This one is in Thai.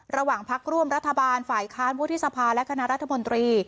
ระหว่างพักร่วมรัฐบาลฝ่ายค้านวุฒิสภาและคณะรัฐมนตรี